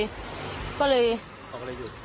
เขาก็เลยหยุด